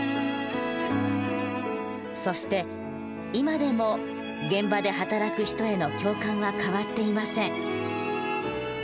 そして今でも現場で働く人への共感は変わっていません。